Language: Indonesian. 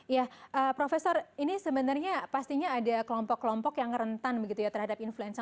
ya profesor ini sebenarnya pastinya ada kelompok kelompok yang rentan begitu ya terhadap influenza